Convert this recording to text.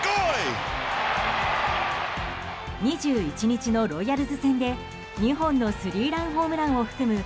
２１日のロイヤルズ戦で２本のスリーランホームランを含む